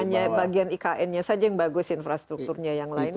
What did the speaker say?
hanya bagian ikn nya saja yang bagus infrastrukturnya yang lainnya